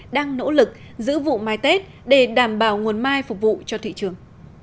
đang nỗ lực giữ vụ mai tết để đảm bảo nguồn mai phục vụ cho thị trường